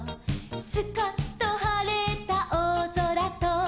「スカッとはれたおおぞらと」